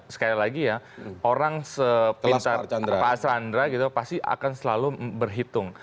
sekali lagi orang seperti pak asarandra pasti akan selalu berhitung